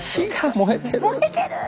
「燃えてるー！」